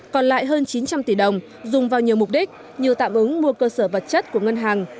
còn lại hơn chín trăm linh tỷ đồng dùng vào nhiều mục đích như tạm ứng mua cơ sở vật chất của ngân hàng